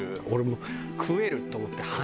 俺も食えると思って。